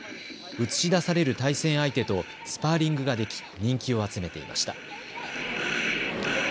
映し出される対戦相手とスパーリングができ人気を集めていました。